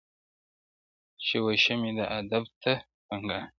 چي و شمي د آدب ته پنګان سي,